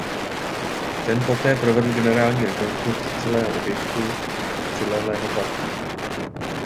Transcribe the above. Ten poté provedl generální rekonstrukci celého objektu a přilehlého parku.